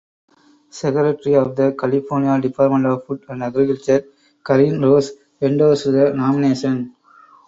Secretary of the California Department of Food and Agriculture Karen Ross endorsed the nomination.